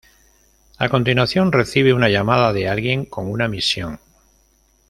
A continuación, recibe una llamada de alguien con una misión.